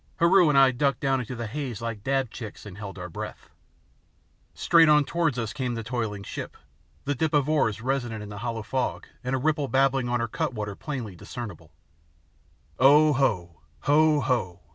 Heru and I ducked down into the haze like dab chicks and held our breath. Straight on towards us came the toiling ship, the dip of oars resonant in the hollow fog and a ripple babbling on her cutwater plainly discernible. Oh, oh! Hoo, hoo!